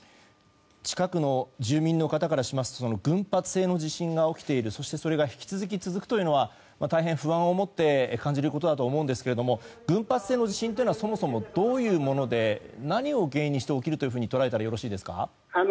近くの住民の方からしますと群発性の地震が起きている、そして引き続き続くというのは大変不安を持って感じることだと思うんですが群発性の地震というのはそもそもどういうもので何を原因にして起きると捉えたらよろしいですか？